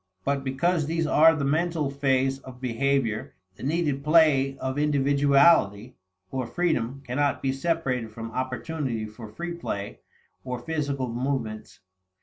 But because these are the mental phase of behavior, the needed play of individuality or freedom cannot be separated from opportunity for free play of physical movements.